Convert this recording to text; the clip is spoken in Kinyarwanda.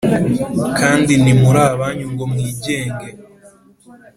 Kandi ntimuri abanyu ngo mwigenge